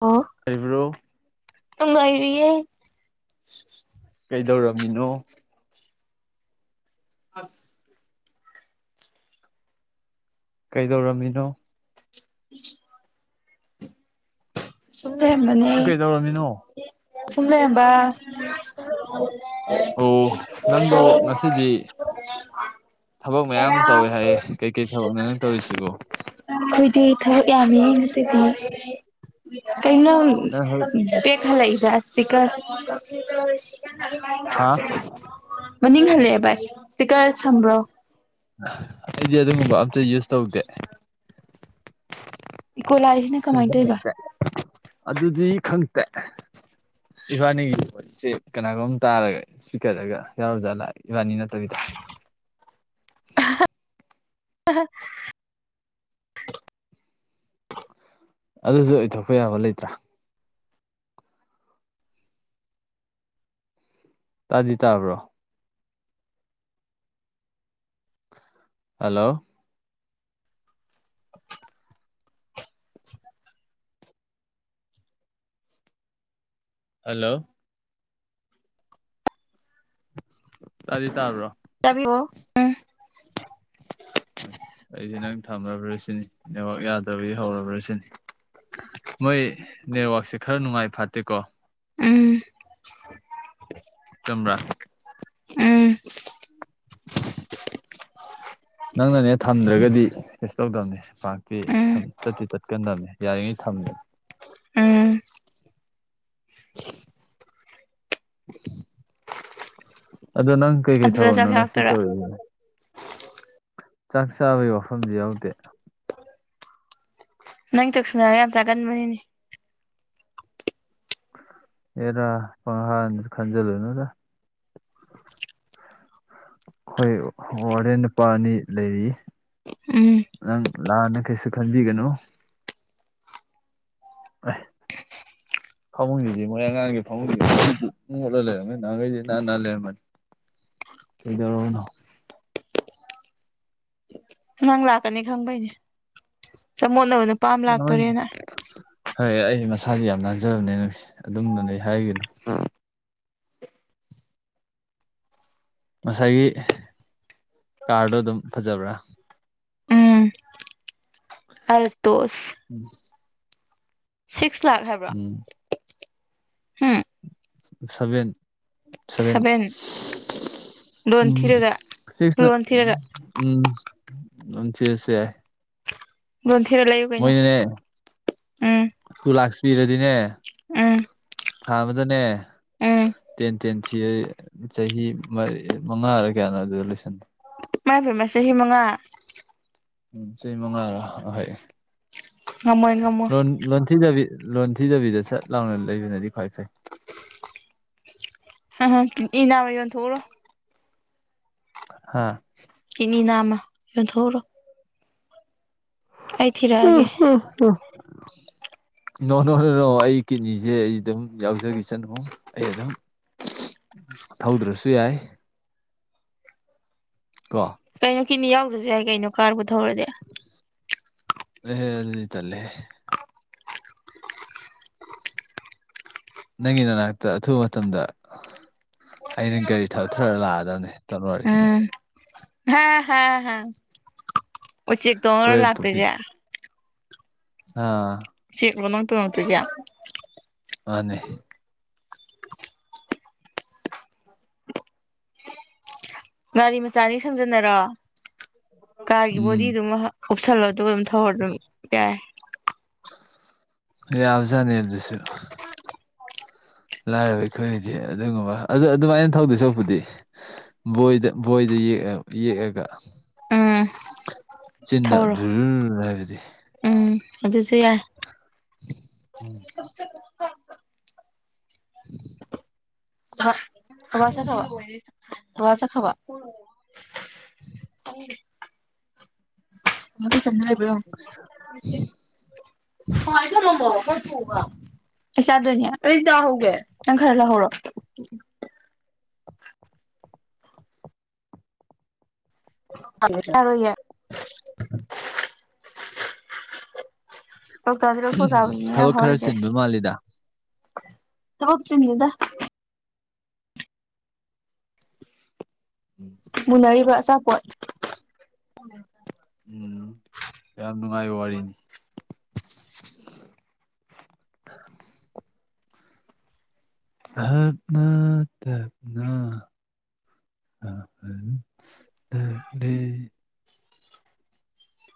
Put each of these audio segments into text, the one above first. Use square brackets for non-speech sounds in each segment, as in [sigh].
ꯑꯣ ꯀꯔꯤꯕ꯭ꯔꯣ꯫ [unintelligible] ꯀꯩꯗꯧꯔꯝꯃꯤꯅꯣ꯫ ꯑꯁ ꯀꯩꯗꯧꯔꯝꯃꯤꯅꯣ꯫ [unintelligible] ꯁꯨꯝ ꯂꯩꯔꯝꯕꯅꯦ ꯀꯩꯗꯧꯔꯝꯃꯤꯅꯣ ꯁꯨꯝ ꯂꯩꯔꯝꯕꯥ꯫ ꯑꯣ ꯅꯪꯗꫭ ꯉꯁꯤꯗꯤ ꯊꯕꯛ ꯃꯌꯥꯝ ꯇꯧꯋꯦ ꯍꯥꯏꯌꯦ ꯀꯩꯀꯩ ꯊꯕꯛꯅꫭ ꯅꯪ ꯇꯧꯔꯤꯁꯤꯕꯣ꯫ ꯈꯣꯏꯗꯤ ꯊꯕꯛ ꯌꯥꯝꯃꯤꯍꯦ ꯉꯁꯤꯗꯤ꯫ ꯀꯩ ꯅꯪ ꯕꯦꯛ ꯍꯜꯂꯛꯏꯗ ꯁ꯭ꯄꯤꯀꯔ꯫ ꯍꯥꯥ ꯃꯅꯤꯡ ꯍꯜꯂꯛꯑꯦ ꯕꯁ ꯏꯁ꯭ꯄꯤꯀꯔ ꯁꯝꯕ꯭ꯔꯣ꯫ ꯑꯩꯗꯤ ꯑꯗꯨꯒꯨꯝꯕ ꯑꯝꯇ ꯌꯨꯁ ꯇꯧꯗꯦ꯫ ꯏꯀꯣ ꯂꯥꯛꯏꯁꯤꯅ ꯀꯃꯥꯏꯅ ꯇꯧꯔꯤꯕ ꯑꯗꯨꯗꯤ ꯈꯪꯇꯦ꯫ ꯏꯕꯥꯅꯤꯒꯤ ꯋꯥꯔꯤꯁꯦ ꯀꯅꯥꯒꯨꯝꯕ ꯇꯥꯔꯒ ꯏꯁꯄꯤꯀꯔꯗꯒ ꯌꯥꯎꯔꯥ ꯖꯥꯠꯂꯥ ꯏꯕꯥꯅꯤ ꯅꯠꯇꯕꯤꯗ꯫ [unintelligible] [unintelligible] [unintelligible] ꯑꯗꯨꯁꯨ ꯑꯣꯏꯊꯣꯛꯄ ꯌꯥꯕ ꯂꯩꯇ꯭ꯔꯥ꯫ ꯇꯥꯗꯤ ꯇꯥꯕ꯭ꯔꯣ꯫ ꯍꯜꯂꯣ꯫ ꯍꯜꯂꯣ꯫ ꯇꯥꯗꯤ ꯇꯥꯕ꯭ꯔꯣ꯫ [inaudible] ꯑꯩꯗꯤ ꯅꯪ ꯊꯝꯔꯕ꯭ꯔꯥ ꯁꯤꯅꯤ ꯅꯦꯠꯋꯥꯛ ꯌꯥꯗ꯭ꯔꯕꯗꯤ ꯍꯧꯔꯕ꯭ꯔ ꯁꯤꯅꯤ꯫ ꯃꯣꯏ ꯅꯦꯠꯋꯥꯛꯁꯦ ꯈꯔ ꯅꯨꯡꯉꯥꯏ ꯐꯠꯇꯦꯀꯣ꯫ ꯎꯝ꯫ ꯆꯝꯕ꯭ꯔꯥ꯫ ꯎꯝ꯫ ꯅꯪꯅꯅꯦ ꯊꯝꯗ꯭ꯔꯒꯗꯤ ꯀꯩꯁꯨ ꯇꯧꯗꯕꯅꯦ ꯄꯥꯛꯇꯤ꯫ ꯎꯝ ꯊꯝ ꯇꯠꯇꯤ ꯇꯠꯀꯟꯗꯕꯅꯦ ꯌꯥꯔꯤꯉꯩ ꯊꯝ ꯎꯝ ꯑꯗꫭ ꯅꯪ ꯀꯩꯀꯩ ꯑꯗꯨꯗ ꯊꯕꯛꯅꯣ ꯆꯥꯛ ꯉꯁꯤ ꯆꯥꯔꯛꯇꯣꯏꯔꯥ ꯇꯧꯔꯛꯏꯅ ꯆꯥꯛ ꯆꯥꯕꯒꯤ ꯋꯥꯐꯝꯗꯤ ꯌꯥꯎꯗꯦ꯫ ꯅꯪ ꯇꯧꯁꯤꯟꯅꯔ ꯌꯥꯝ ꯆꯥꯒꯟꯕꯅꯤꯅꯦ ꯍ‌ꯦꯔꯥ ꯄꯪꯍꯥꯅꯁꯨ ꯈꯟꯖꯜꯂꯨꯅꯨꯗ ꯈꯣꯏ ꯋꯥꯔꯗ‌ꯦꯟ ꯅꯨꯄꯥ ꯑꯅꯤ ꯂꯩꯔꯤ ꯎꯝ ꯅꯪ ꯂꯥꯟꯅ ꯀꯩꯁꯨ ꯈꯟꯕꯤꯒꯅꯨ ꯑꯥꯏ ꯐꯃꯨꯡꯁꯤꯗꯤ ꯃꯣꯏ ꯑꯉꯥꯡꯒꯤ ꯐꯃꯨꯡꯁꯤ [unintelligible] ꯃꯣꯠꯂ ꯂꯩꯔꯝꯃ‌ꯦ ꯅꯍꯥꯟꯒꯩꯗꯤ ꯅꯥꯟ ꯅꯥꯟ ꯂꯩꯔꯝꯕꯅꯤ [inaudible] ꯀꯩꯗꯧꯔꯅꯣ ꯅꯪ ꯂꯥꯛꯀꯅꯤ ꯈꯪꯕꯩꯅꯦ ꯆꯃꯣꯠꯅꯕ ꯅꯨꯄꯥꯥꯃ ꯂꯥꯛꯇꯣꯔꯦꯅ ꯍꯩꯏ ꯑꯩ ꯃꯁꯥꯗꯤ ꯌꯥꯝ ꯅꯥꯟꯖꯕꯅꯦ [unintelligible] ꯑꯗꯨꯝꯕꯗꯤ ꯍꯥꯏꯒꯅꯨ ꯉꯁꯥꯏꯒꯤ ꯀꯥꯔꯗꯣ ꯗꯨꯝ ꯐꯖꯕ꯭ꯔꯥ ꯎꯝ [unintelligible] ꯎꯝ ꯁꯤꯛꯁ ꯂꯥꯛꯈ ꯍꯥꯏꯕ ꯎꯝ ꯁꯚꯦꯟ ꯁꯚꯦꯟ ꯂꯣꯟ ꯎꯝ ꯊꯤꯔꯒ ꯁꯤꯛꯁꯅ ꯂꯣꯟ ꯊꯤꯔꯒ ꯎꯝ [unintelligible] ꯂꯣꯟ ꯊꯤꯔ ꯂꯩꯌꯨ ꯀꯩꯅꯣ ꯃꯣꯏꯅꯅꯦ ꯎꯝ ꯇꯨ ꯂꯥꯛꯁ ꯄꯤꯔꯗꯤꯅꯦ ꯎꯝ ꯊꯥ ꯑꯃꯗꯅꯦ ꯎꯝ ꯇꯦꯟ ꯇꯦꯟ ꯊꯤ ꯌ‌ꯦ ꯆꯍꯤ ꯃꯔꯤ ꯃꯉꯥꯔ ꯀꯌꯥꯅꯣ ꯑꯗꯨꯗ ꯂꯣꯏꯁꯟꯕ ꯃꯥꯏꯄꯦꯃ ꯆꯍꯤ ꯃꯉꯥ ꯎꯝ ꯆꯍꯤ ꯃꯉꯥꯔ ꯑ ꯍꯣꯏ ꯉꯝꯃꯣꯏ ꯉꯝꯃꯣꯏ ꯂꯣꯟ ꯂꯣꯟꯊꯤꯗꯕꯤ ꯂꯣꯟꯊꯤꯗꯕꯤꯗ ꯁꯠ ꯂꯥꯎꯅ ꯂꯩꯕꯅꯗꯤ ꯈ꯭ꯋꯥꯏ ꯐꯩ ꯀꯤꯗꯅꯤ ꯅꯥꯝꯃ ꯌꯣꯟꯊꯣꯛꯎꯔꯣ ꯍꯥꯥ ꯀꯤꯗꯅꯤ ꯅꯥꯝꯃ ꯌꯣꯟꯊꯣꯛꯎꯔꯣ ꯑꯩ ꯊꯤꯔꯛꯑꯒꯦ [unintelligible] ꯅꯣ ꯅꯣ ꯅꯣ ꯅꯣ ꯑꯩ ꯀꯤꯠꯅꯤꯁꯦ ꯑꯩ ꯑꯗꯨꯝ ꯌꯥꯎꯖꯈꯤ ꯁꯅꯨꯨ ꯑꯩ ꯑꯗꯨꯝ ꯊꯧꯗ꯭ꯔꯁꯨ ꯌꯥꯏ ꯀꯣ ꯀꯩꯅꯣ ꯀꯤꯗꯅꯤ ꯌꯥꯎꯗ꯭ꯔꯁꯨ ꯌꯥꯏ ꯀꯩꯅꯣ ꯀꯥꯔꯕꯨ ꯊꯧꯔꯗꯤ ꯑꯦꯍ‌ꯦ ꯑꯗꯨꯗꯤ ꯇꯜꯂꯦꯍꯦ ꯅꯪꯒꯤ ꯅꯅꯥꯛꯇ ꯑꯊꯨꯕ ꯃꯇꯝꯗ ꯑꯩꯅ ꯒꯥꯔꯤ ꯊꯧꯊꯔ ꯂꯥꯛꯑꯗꯝꯅꯦ ꯎꯝ ꯎꯆꯦꯛ ꯇꯣꯡꯉꯔ‌ꯣ ꯀꯣꯏ ꯂꯥꯛꯇꯣꯢꯖꯦ ꯍꯥ ꯥꯎꯆꯦꯛꯂꯣ ꯅꯪ ꯇꯣꯡꯉꯛꯇꯣꯏꯖꯦ ꯃꯥꯟꯅꯦ ꯒꯥꯔꯤ ꯃꯆꯥ ꯑꯅꯤ ꯁꯝꯖꯟꯅꯔꯣ ꯀꯥꯔꯒꯤ ꯎꯝ ꯕꯣꯗꯤꯗꯨꯃ ꯎꯞꯁꯜꯂꯣ ꯗꯨꯒ ꯗꯨꯝ ꯊꯧꯔ ꯗꯨꯝ ꯌꯥꯏ ꯌꯥꯕꯖꯥꯠꯅꯤ ꯗꯨꯁꯨ ꯂꯥꯏꯔꯕ ꯑꯩꯈꯣꯏꯒꯤꯗꯤ ꯑꯗꯨꯒꯨꯝꯕ ꯑꯗꯨ ꯑꯗꯨꯃꯥꯏꯅ ꯊꯧꯗꯣꯏ ꯁꯔꯨꯄꯨꯗꯤ ꯕꯣꯏꯗ ꯕꯣꯏꯗ ꯌꯦꯛꯑ ꯌꯦꯛꯑꯒ ꯎꯝ ꯆꯤꯟꯅ ꯊꯧꯔꯣ ꯙꯨꯔ ꯍꯥꯏꯕꯗꯤ ꯎꯝ ꯑꯗꯨꯁꯨ ꯌꯥꯏ [inaudible] [unintelligible] [inaudible] [unintelligible] ꯕꯥꯕꯥ ꯆꯠꯈ꯭ꯔꯕꯣ [unintelligible] [unintelligible] ꯑꯩ ꯆꯥꯗꯣꯏꯅꯦ ꯑꯩ ꯆꯥꯍꯧꯒꯦ ꯅꯪ ꯈꯔ ꯂꯧꯍꯧꯔꯣ [unintelligible] [inaudible] [unintelligible] ꯂꯧꯊꯣꯛ ꯑ ꯆꯥꯕꯅꯤ ꯌꯥꯝ ꯊꯕꯛ ꯈꯔ ꯍꯥꯎꯔꯤꯖꯦ ꯆꯤꯟꯕ ꯃꯥꯜꯂꯤꯗ ꯊꯕꯛ ꯆꯤꯟꯗꯦꯗ ꯎꯝ ꯃꯨꯟꯅꯔꯤꯕ ꯑꯆꯥꯄꯣꯠ ꯎꯝ ꯌꯥꯝ ꯅꯨꯡꯉꯥꯏꯕ ꯋꯥꯔꯤꯅꯤ [inaudible] ꯇꯞꯅ ꯇꯞ ꯍꯜꯂꯛꯂꯦ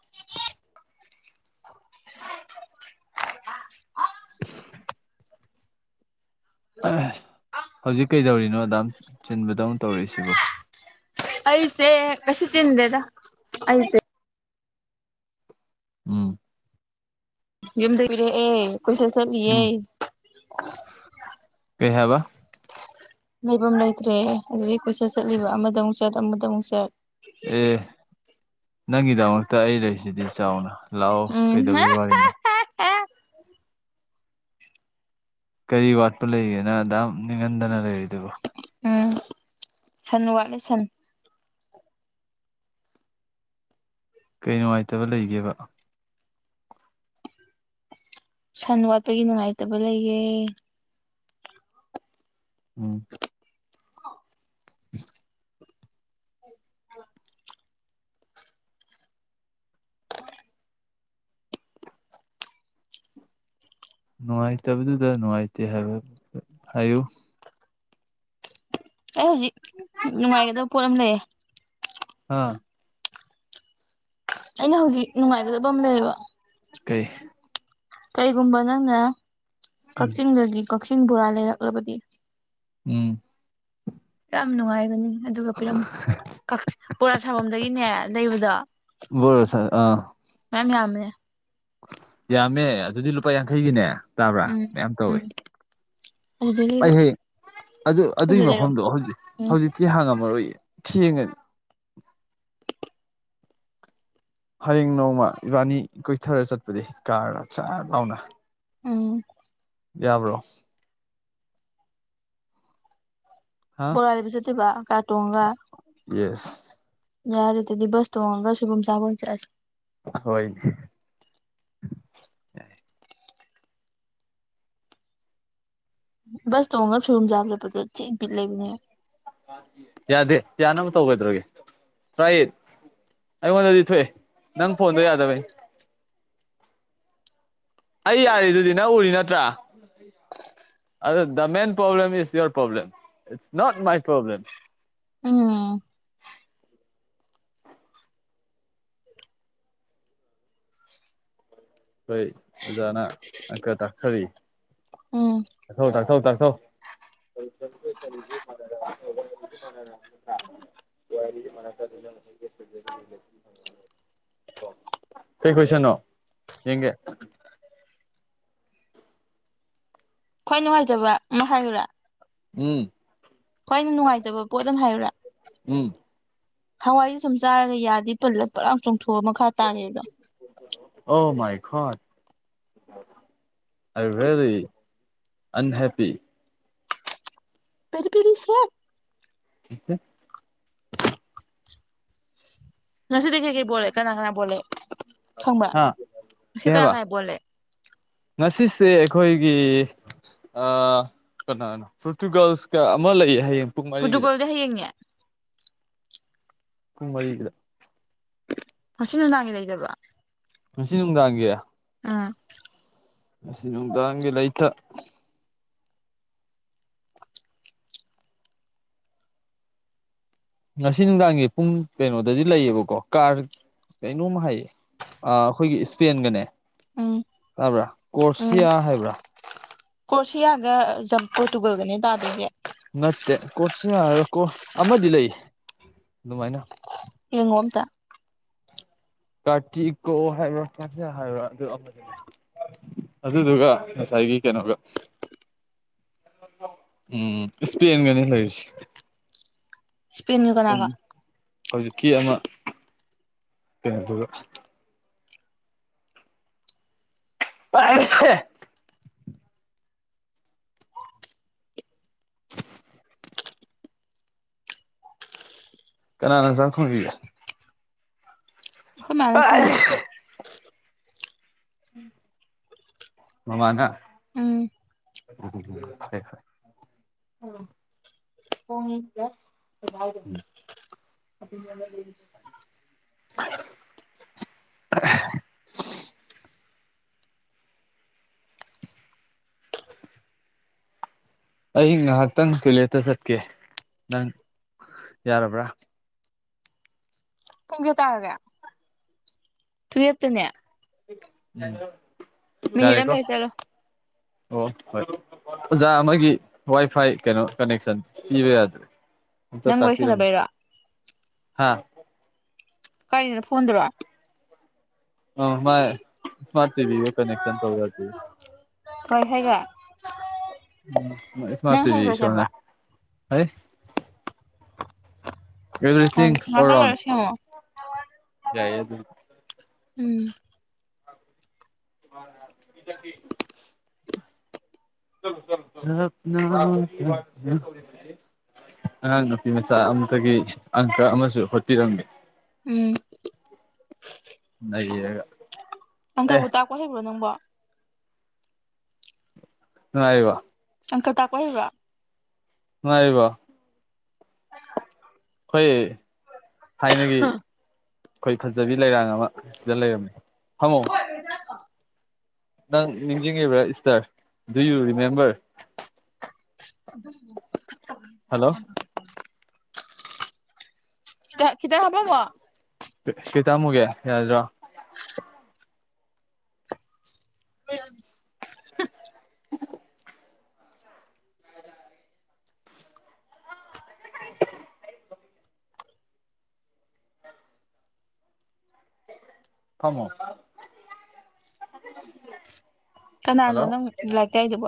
[unintelligible] [inaudible] ꯍꯧꯖꯤꯛ ꯀꯩꯗꯧꯔꯤꯅꯣ ꯑꯗꯨꯌꯥꯝ ꯆꯤꯟꯕꯗꯧꯅ ꯇꯧꯔꯤꯁꯤꯕꯣ ꯑꯩꯁꯦ ꯉꯁꯤ ꯆꯤꯟꯗꯦꯗ ꯑꯩꯁꯦ ꯎꯝ ꯌꯨꯝꯗ ꯀꯣꯏꯔꯛꯑꯦ ꯀꯣꯏꯆꯠ ꯆꯠꯂꯤꯌꯦ ꯎꯝ ꯀꯩ ꯍꯥꯏꯕ ꯂꯩꯕꯝ ꯂꯩꯇ꯭ꯔꯦ ꯑꯗꯨꯒꯤ ꯀꯣꯏꯆꯠ ꯆꯠꯂꯤꯕ ꯑꯃꯗ ꯑꯃꯨꯛ ꯆꯠ ꯑꯃꯗ ꯑꯃꯨꯛ ꯆꯠ ꯑꯦ ꯅꯪꯒꯤꯗꯃꯛꯇ ꯑꯩ ꯂꯩꯔꯤꯁꯤꯗꯤ ꯆꯥꯎꯅ ꯂꯥꯛꯑꯣ ꯎꯝ ꯀꯩꯗꯧꯕꯩ ꯋꯥꯔꯤꯅꯣ ꯀꯔꯤ ꯋꯥꯠꯄ ꯂꯩꯒꯦ ꯅꯪ ꯑꯗꯨꯌꯥꯝ ꯅꯤꯡꯉꯝꯗꯅ ꯂꯩꯔꯤꯗꯨꯕꯣ ꯎꯝ ꯁꯟ ꯋꯥꯠꯂꯦ ꯁꯟ ꯀꯩ ꯅꯨꯡꯉꯥꯏꯇꯕ ꯂꯩꯒꯦꯕ ꯁꯟ ꯋꯥꯠꯄꯒꯤ ꯅꯨꯡꯉꯥꯏꯇꯕ ꯂꯩꯌꯦ ꯎꯝ [inaudible] [inaudible] [inaudible] ꯅꯨꯡꯉꯥꯏꯇꯕꯗꯨꯗ ꯅꯨꯡꯉꯥꯏꯇꯦ ꯍꯥꯏꯕ ꯍꯥꯏꯌꯨ ꯑꯩ ꯍꯧꯖꯤꯛ ꯅꯨꯡꯉꯥꯏꯒꯗꯕ ꯄꯣꯠ ꯑꯃ ꯂꯩꯌꯦ ꯑꯥ ꯑꯩꯅ ꯍꯧꯖꯤꯛ ꯅꯨꯡꯉꯥꯏꯒꯗꯕ ꯑꯃ ꯂꯩꯌꯦꯕ ꯀꯩ ꯀꯩꯒꯨꯝꯕ ꯅꯪꯅ ꯀꯛꯆꯤꯡꯗꯒꯤ ꯀꯛꯆꯤꯡ ꯕꯣꯔꯥ ꯂꯩꯔꯛꯂꯕꯗꯤ ꯎꯝ ꯌꯥꯝ ꯅꯨꯡꯉꯥꯏꯒꯅꯤ ꯑꯗꯨꯒ ꯄꯤꯔꯝꯃꯨ ꯀꯛꯆꯤꯡ ꯕꯣꯔꯥ ꯁꯥꯐꯝꯗꯒꯤꯅꯦ ꯂꯩꯕꯗꯣ ꯕꯣꯔꯥ ꯁꯥ ꯑꯥ ꯃꯌꯥꯝ ꯌꯥꯝꯃꯦꯍꯦ ꯌꯥꯝꯃꯦ ꯑꯗꯨꯗꯤ ꯂꯨꯄꯥ ꯌꯥꯡꯈꯩꯒꯤꯅꯦ ꯇꯥꯕ꯭ꯔꯥ ꯎꯝ ꯃꯌꯥꯝ ꯇꯧꯋꯦ ꯎꯝ ꯑꯗꯨꯗꯩ ꯂꯩꯕ ꯑꯩꯍꯦ ꯑꯗꯨ ꯑꯗꯨꯏ ꯍꯧꯖꯤꯛ ꯃꯐꯝꯗꯣ ꯂꯩꯔꯛꯑꯣ ꯍꯧꯖꯤꯛ ꯎꯝ ꯍꯧꯖꯤꯛꯇꯤ ꯍꯥꯡꯉꯝꯃꯔꯣꯏꯌꯦ ꯊꯦꯡꯉꯟ ꯍꯌꯦꯡ ꯅꯣꯡꯃ ꯏꯕꯥꯅꯤ ꯀꯣꯏꯊꯔ ꯆꯠꯄꯗꯤ ꯀꯥꯔꯒ ꯁꯠ ꯂꯥꯎꯅ ꯎꯝ ꯌꯥꯕ꯭ꯔꯣ ꯍꯥ ꯕꯣꯔꯥꯂꯩꯕ ꯆꯠꯇꯣꯏꯕ ꯀꯥꯔꯇꯣꯡꯉꯒ ꯌꯦꯁ ꯌꯥꯔꯦ ꯗꯨꯗꯤ ꯕꯁ ꯇꯣꯡꯉꯒ ꯁꯣꯏꯕꯨꯝ ꯆꯕ ꯑꯣꯏꯅ ꯆꯠꯂꯖꯤ ꯍꯣꯏ ꯕꯁ ꯇꯣꯡꯉꯒ ꯁꯣꯏꯕꯨꯝ ꯆꯥꯕ ꯆꯠꯄꯗꯣ ꯊꯤ ꯕꯤꯠ ꯂꯩꯕꯅꯦ ꯌꯥꯗꯦ ꯌꯥꯅꯕꯇꯧ ꯀꯩꯗꯧꯔꯒꯦ ꯇ꯭ꯔꯥꯏ ꯏꯠ ꯑꯩꯉꯣꯟꯗꯗꯤ ꯊꯣꯛꯑꯦ ꯅꯪ ꯐꯣꯟꯗꯣ ꯌꯥꯗꯕꯩ ꯑꯩ ꯌꯥꯔꯤꯗꯨꯗꯤ ꯅꯪ ꯎꯔꯤ ꯅꯠꯇ꯭ꯔꯥ [unintelligible] ꯑꯗꯨꯗ the main problem is your problem is not my problem um ꯑꯩꯈꯣꯏ ꯑꯣꯖꯥꯅ ꯑꯪꯀ ꯇꯥꯛꯊꯔꯤ ꯎꯝ ꯇꯥꯛꯊꯧ ꯇꯥꯛꯊꯧ ꯇꯥꯛꯊꯧ [unintelligible] [unintelligible] ꯀꯩ ꯀꯣꯏꯁꯟꯅꯣ ꯌꯦꯡꯒꯦ ꯈ꯭ꯋꯥꯏ ꯅꯨꯡꯉꯥꯏꯇꯕ ꯑꯃ ꯍꯥꯏꯌꯨꯔꯥ ꯎꯝ ꯈ꯭ꯋꯥꯏ ꯅꯨꯡꯉꯥꯏꯇꯕ ꯄꯣꯠ ꯑꯃ ꯍꯥꯏꯌꯨꯔꯥ ꯎꯝ ꯍꯋꯥꯏꯖꯦ ꯁꯨꯝ ꯆꯥꯔꯒ ꯌꯥꯗꯩ ꯄꯜꯂ ꯄꯠ ꯂꯥꯎ ꯆꯣꯡꯊꯣꯛꯑ ꯃꯈꯥ ꯇꯥꯒꯤꯕꯗꯣ oh my god I really unhappy very very sad ꯏꯍꯦ ꯉꯁꯤꯗꯤ ꯀꯩ ꯀꯩ ꯕꯣꯜ ꯂꯩ ꯀꯅꯥ ꯀꯅꯥ ꯕꯣꯜ ꯂꯩ ꯈꯪꯕ꯭ꯔ ꯍꯥ ꯉꯁꯤ ꯀꯩ ꯀꯅꯥꯏ ꯍꯥꯏꯕ ꯀꯅꯥꯏ ꯕꯣꯜ ꯂꯩ ꯉꯁꯤꯁꯦ ꯑꯩꯈꯣꯏꯒꯤ ꯑ ꯀꯅꯥꯅꯣ ꯐꯣꯔꯇꯨꯒꯜꯁ ꯀ ꯑꯃ ꯂꯩ ꯍꯥꯏꯌꯦꯡ ꯄꯨꯔꯇꯨꯒꯜꯗꯤ ꯍꯌꯦꯡꯅꯦ ꯄꯨꯡ ꯃꯔꯤꯒꯤꯗ ꯉꯁꯤ ꯅꯨꯡꯗꯥꯡꯒꯤ ꯂꯩꯇꯕ꯭ꯔꯣ ꯉꯁꯤ ꯅꯨꯡꯗꯥꯡꯒꯤ ꯎꯝ ꯉꯁꯤ ꯅꯨꯡꯗꯥꯡꯒꯤ ꯂꯩꯇ ꯉꯁꯤ ꯅꯨꯡꯗꯥꯡꯒꯤ ꯄꯨꯡ ꯀꯩꯅꯣꯗꯗꯤ ꯂꯩꯌꯦꯕꯀꯣ ꯀꯥꯔ ꯀꯩꯅꯣꯝ ꯍꯥꯏꯌꯦ ꯑꯥ ꯑꯩꯈꯣꯏꯒꯤ ꯏꯁꯄꯦꯟꯒꯅꯦ ꯎꯝ ꯇꯥꯕ꯭ꯔ ꯎꯝ ꯀꯣꯔꯁꯤꯌꯥ ꯍꯥꯏꯕ꯭ꯔꯥ ꯀ꯭ꯔꯣꯁꯤꯌꯥꯒ ꯖꯝ ꯄꯣꯔꯇꯨꯒꯜꯒꯅꯦ ꯇꯥꯗꯣꯏꯁꯦ ꯅꯠꯇꯦ ꯀ꯭ꯔꯣꯠꯁꯤꯌꯥ ꯍꯥꯏ ꯀꯣꯠ ꯑꯃꯗꯤ ꯂꯩ ꯑꯗꯨꯃꯥꯏꯅ ꯌꯦꯡꯉꯣ ꯑꯝꯇ ꯀꯥꯔꯇꯤꯀꯣ ꯍꯥꯏꯕ꯭ꯔ ꯀꯥꯔꯇꯤꯑꯥ ꯍꯥꯏꯕ꯭ꯔ ꯑꯃꯗꯤ ꯂꯩ ꯑꯗꯨꯗꯨꯒ ꯉꯁꯥꯏꯒꯤ ꯀꯩꯅꯣꯒ ꯎꯝ ꯏꯁꯄꯦꯟꯒꯅꯦ ꯂꯩꯔꯤꯁꯦ ꯏꯁꯄꯦꯟꯒ ꯀꯅꯥꯒ ꯍꯧꯖꯤꯛꯀꯤ ꯑꯃ ꯀꯩꯅꯣꯗꯨꯒ [unintelligible] ꯀꯅꯥꯅ ꯆꯥꯛ ꯊꯣꯡꯕꯤꯒꯦ ꯑꯈꯣꯏ ꯃꯥꯅ ꯊꯣꯡꯉꯦ ꯃꯃꯥꯅ ꯎꯝ [unintelligible] ꯍꯣꯡꯉꯤ ꯄ꯭ꯂꯁ [unintelligible] [unintelligible] ꯑꯩ ꯉꯍꯥꯛꯇꯪ ꯇꯣꯏꯂꯦꯠꯇ ꯆꯠꯀꯦ ꯅꯪ ꯌꯥꯔꯕ꯭ꯔ ꯄꯨꯡ ꯀꯌꯥ ꯇꯥꯔꯒꯦ ꯇꯨꯋꯦꯞꯇꯅꯦ ꯃꯤꯅꯤꯠ ꯌꯥꯔꯦꯀꯣ ꯑꯃ ꯂꯩꯔ ꯆꯠꯂꯣ ꯑꯣ ꯍꯣꯏ ꯑꯣꯖꯥ ꯑꯃꯒꯤ ꯋꯥꯏ ꯐꯥꯏ ꯀꯩꯅꯣ ꯀꯅꯦꯛꯁꯟ ꯄꯤꯕ ꯌꯥꯗ꯭ꯔꯦ ꯑꯝꯇ ꯅꯪ ꯋꯥꯔꯤ ꯇꯥꯛꯄꯔꯝꯒꯦ ꯁꯥꯟꯅꯕꯩꯔꯣ ꯍꯥ ꯀꯩꯅꯣ ꯐꯣꯟꯗꯔꯣ ꯑꯣ ꯃꯥꯏ ꯁꯃꯥꯔꯠ ꯇꯤꯕꯤꯒ ꯀꯅꯦꯛꯁꯟ ꯇꯧ ꯌꯥꯗꯦꯌꯦ ꯀꯩ ꯍꯥꯏꯒꯦ ꯎꯝ ꯏꯁꯃꯥꯔꯠ ꯅꯪ ꯇꯤꯕꯤ ꯍꯩꯕ꯭ꯔꯥ ꯁꯣꯟꯗꯅꯦ ꯁꯦꯝꯕ ꯀꯔꯤ ꯑꯦꯕ꯭ꯔꯤꯊꯤꯡ ꯑꯣꯜ ꯉꯥꯛꯇꯪ ꯔꯥꯎꯟ ꯂꯩꯔ ꯁꯦꯝꯃꯣ ꯌꯥꯏꯌꯦ ꯑꯗꯨ ꯎꯝ [unintelligible] ꯆꯠꯂꯣ ꯆꯠꯂꯣ ꯇꯞꯅ ꯇꯞꯅ ꯑꯉꯥꯡ ꯅꯨꯄꯤ ꯃꯆꯥ ꯑꯝꯇꯒꯤ ꯑꯪꯀ ꯑꯃꯁꯨ ꯍꯣꯠꯄꯤꯔꯝꯃꯤ ꯎꯝ ꯅꯩꯔꯒ ꯑꯪꯀ ꯑꯦ ꯇꯥꯛꯄ ꯍꯩꯕ꯭ꯔꯣ ꯅꯪꯕꯣ ꯅꯨꯉꯥꯏꯔꯤꯕꯣ ꯑꯪꯀ ꯇꯥꯛꯄ ꯍꯩꯕꯔꯣ ꯅꯨꯉꯥꯏꯔꯤꯕꯣ ꯑꯈꯣꯏꯊꯥꯏꯅꯒꯤ ꯑꯩꯈꯣꯏ ꯐꯖꯕꯤ ꯂꯩꯔꯥꯡ ꯑꯃ ꯁꯤꯗ ꯂꯩꯔꯝꯃꯦ ꯐꯝꯃꯣ ꯄꯩꯁꯥ ꯀꯣ ꯅꯪ ꯅꯤꯡꯁꯤꯡꯉꯤꯕ꯭ꯔꯥ Easter do you remember hello [unintelligible] ꯈꯤꯇꯪ ꯍꯥꯞꯄꯝꯃꯣ ꯀꯩ ꯇꯥꯛꯑꯝꯃꯨꯒꯦ ꯌꯥꯔꯗ꯭ꯔꯣ [unintelligible] [unintelligible] ꯐꯝꯃꯣ ꯀꯅꯥꯅꯣ ꯍꯜꯂꯣ ꯅꯪ ꯂꯥꯏꯔꯤꯛ ꯇꯥꯛꯏꯗꯨꯕꯨ